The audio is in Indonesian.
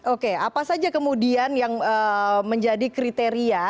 oke apa saja kemudian yang menjadi kriteria